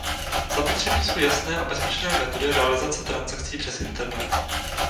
Zapotřebí jsou jasné a bezpečné metody realizace transakcí přes internet.